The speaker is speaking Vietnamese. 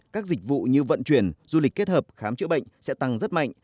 các dịch vụ như vận chuyển du lịch kết hợp khám chữa bệnh sẽ tăng rất mạnh